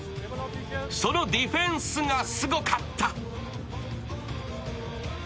そのディフェンスがすごかった。